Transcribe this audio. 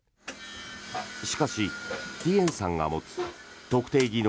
しかし、ティエンさんが持つ特定技能